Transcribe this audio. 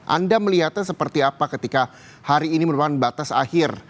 anda melihatnya seperti apa ketika hari ini merupakan batas akhir